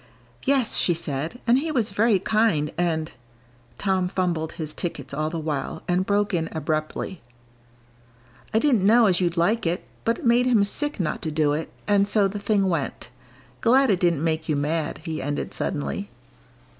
"Yes," she said, "and he was very kind and " Tom fumbled his tickets all the while, and broke in abruptly. "I didn't know as you'd like it, but it made him sick not to do it, and so the thing went. Glad it didn't make you mad," he ended suddenly.